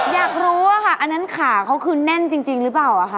อยากรู้ว่าค่ะอันนั้นขาเขาคือแน่นจริงหรือเปล่าคะ